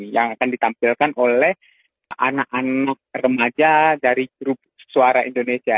yang akan ditampilkan oleh anak anak remaja dari grup suara indonesia